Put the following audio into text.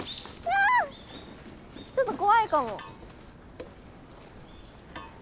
ちょっと怖いかも。